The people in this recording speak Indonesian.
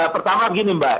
pertama gini mbak